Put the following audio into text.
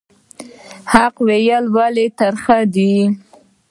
حق ویل ولې ترخه دي؟